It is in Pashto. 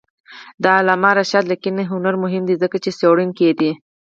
د علامه رشاد لیکنی هنر مهم دی ځکه چې څېړونکی دی.